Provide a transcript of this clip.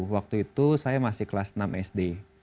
waktu itu saya masih kelas enam sd